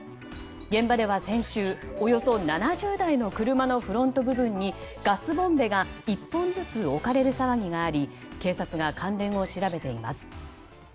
現場では先週、およそ７０台の車のフロント部分にガスボンベが１本ずつ置かれる騒ぎがあり警察が関連を調べています。